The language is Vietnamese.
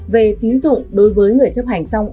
về tiến dụng đối với người chấp hành xong